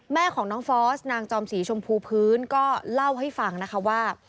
แม่ของน้องฟอสนางจอมสีชมพูพื้นก็เล่าให้ฟังนะคะว่า